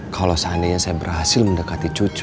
kalau seandainya saya berhasil mendekati cucu